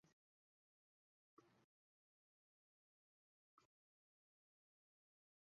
绿花茶藨子为虎耳草科茶藨子属下的一个种。